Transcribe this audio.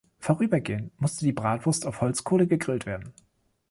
Vorübergehend musste die Bratwurst auf Holzkohle gegrillt werden.